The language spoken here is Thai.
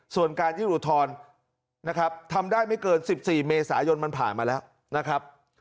ส่วนการยื่นอุทธรณ์นะครับทำได้ไม่เกิน๑๔เมษายนมันผ่านมาแล้วนะครับ